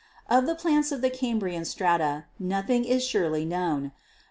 Of the plants of the Cambrian strata nothing is surely known.